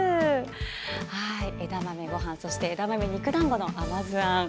枝豆ごはん、そして枝豆肉だんごの甘酢あん。